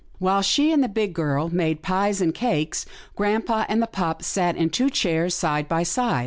While she and the big girl made pies and cakes, grampa and the pup sat in two chairs side by side.